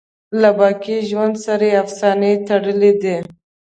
له باقی ژوند سره یې افسانې تړلي دي.